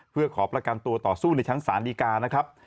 เพื่อขอประกันตัวต่อสู้ในชั้นศาลดีกานะครับ